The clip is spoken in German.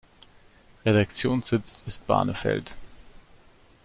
Redaktionssitz ist Barneveld.